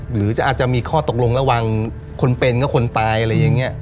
หรืออาจจะมีข้อตกลงระหว่างคนเป็นก็คนตายอะไรอย่างนี้